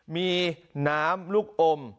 มีน้ำลูกอม